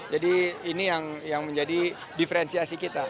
jadi ini yang menjadi diferensiasi kita